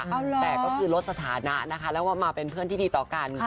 แต่ก็คือลดสถานะนะคะแล้วมาเป็นเพื่อนที่ดีต่อกัน